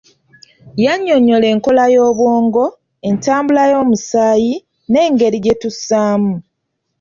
Yannyonyola enkola y'obwongo, entambula y'omusaayi n'engeri gye tussaamu.